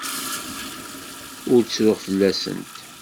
Ur ttruɣ fell-asent.